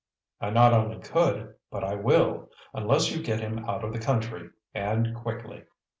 "I not only could, but I will, unless you get him out of the country and quickly!"